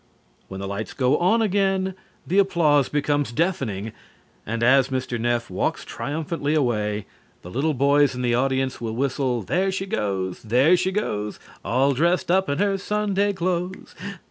When the lights go on again, the applause becomes deafening, and as Mr. Neff walks triumphantly away, the little boys in the audience will whistle: "There she goes, there she goes, all dressed up in her Sunday clothes!"